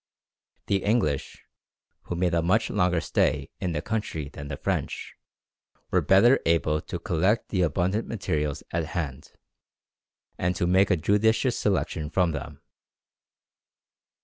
The English, who made a much longer stay in the country than the French, were better able to collect the abundant materials at hand, and to make a judicious selection from them.